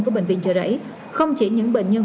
của bệnh viện trợ rẫy không chỉ những bệnh nhân